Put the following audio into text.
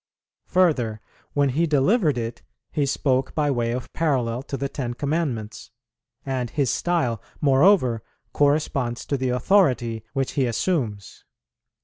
Further, when He delivered it, He spoke by way of parallel to the Ten Commandments. And His style, moreover, corresponds to the authority which He assumes.